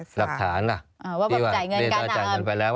หลักฐานล่ะว่าเราจ่ายเงินกัน